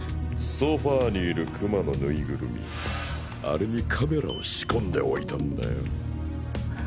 ソファにいるクマのぬいぐるみあれにカメラを仕込んでおいたんだよ。